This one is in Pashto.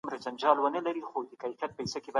موږ نسو کولای چي د پرمختيا له پروسې سترګې پټې کړو.